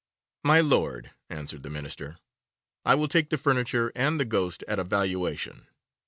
'My Lord,' answered the Minister, 'I will take the furniture and the ghost at a valuation.